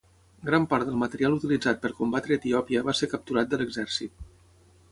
Gran part del material utilitzat per combatre Etiòpia va ser capturat de l'exèrcit.